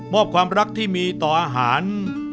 อบความรักที่มีต่ออาหาร